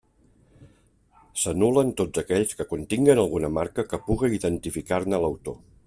S'anul·len tots aquells que continguen alguna marca que puga identificar-ne l'autor.